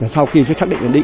sau khi xác định